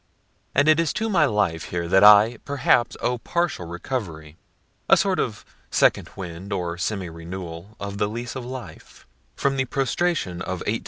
And it is to my life here that I, perhaps, owe partial recovery (a sort of second wind, or semi renewal of the lease of life) from the prostration of 1874 '75.